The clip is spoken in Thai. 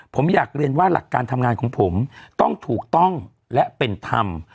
ผมอยากเรียนว่าหลักการทำงานของผมต้องถูกต้องและเป็นธรรม